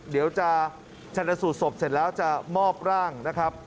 เดี๋ยวจะชนะสูตรศพเสร็จแล้วจะมอบร่างนะครับ